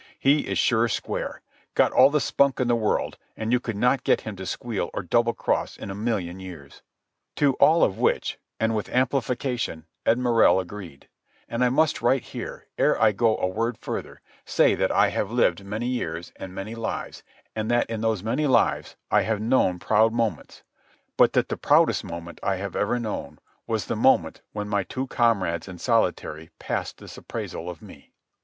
He is sure square. Got all the spunk in the world, and you could not get him to squeal or double cross in a million years." To all of which, and with amplification, Ed Morrell agreed. And I must, right here, ere I go a word further, say that I have lived many years and many lives, and that in those many lives I have known proud moments; but that the proudest moment I have ever known was the moment when my two comrades in solitary passed this appraisal of me.